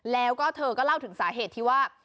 แล้วก็เธอก็เล่าถึงสาเหตุที่ว่า